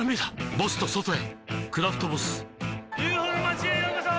ボスと外へ「クラフトボス」ＵＦＯの町へようこそ！